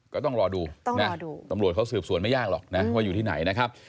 ก็ต้องรอดูตำรวจเขาสืบสวนไม่ยากหรอกนะว่าอยู่ที่ไหนนะครับ